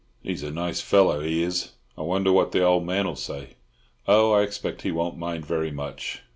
He's a nice fellow, he is! I wonder what the old man'll say?" "Oh, I expect he won't mind very much.